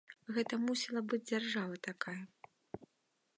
Гэта мусіла быць дзяржава такая.